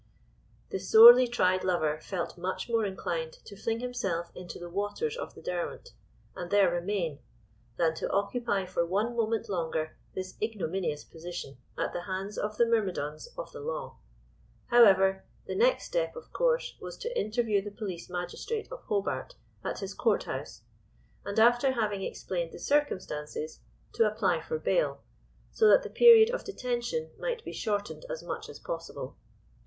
The sorely tried lover felt much more inclined to fling himself into the waters of the Derwent, and there remain, than to occupy for one moment longer this ignominious position at the hands of the myrmidons of the law. However, the next step, of course, was to interview the police magistrate of Hobart at his Court House, and after having explained the circumstances, to apply for bail, so that the period of detention might be shortened as much as possible.